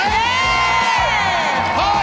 เร็ว